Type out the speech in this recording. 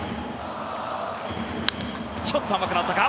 ちょっと甘くなったか。